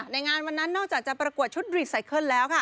ในงานวันนั้นนอกจากจะประกวดชุดรีดไซเคิลแล้วค่ะ